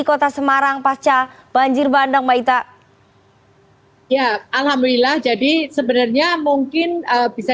kota semarang pacar banjir bandang baik tak oh ya alhamdulillah jadi sebenarnya mungkin bisa